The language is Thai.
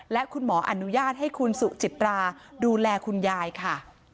และคุณหมออนุญาตให้คุณสุจิตราดูแลคุณยายค่ะ